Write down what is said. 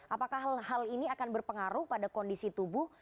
apakah hal ini akan berpengaruh pada kondisi tubuh